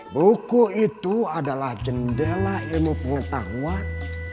buku itu adalah jendela ilmu pengetahuan